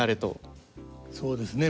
そうですね。